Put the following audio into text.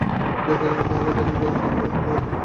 যাত্রার গানেই তাহাকে প্রথম ঘর হইতে বিবাগি করিয়া দেয়।